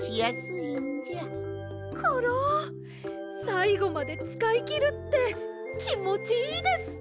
さいごまでつかいきるってきもちいいです！